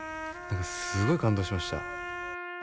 何かすごい感動しました。